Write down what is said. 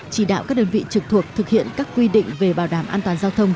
chỉ đạo các đơn vị trực thuộc thực hiện các quy định về bảo đảm an toàn giao thông